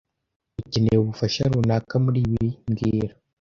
Ukeneye ubufasha runaka muribi mbwira